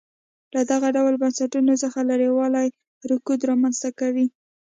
له دغه ډول بنسټونو څخه لرېوالی رکود رامنځته کوي.